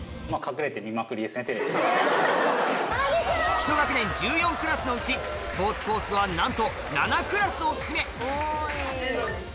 １学年１４クラスのうちスポーツコースはなんと７クラスを占め